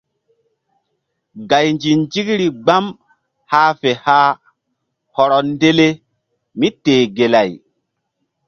Gay nzinzikri gbam hah fe hah hɔrɔ ndele míteh gelay.